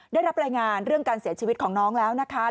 ได้รับรายงานเรื่องการเสียชีวิตของน้องแล้วนะคะ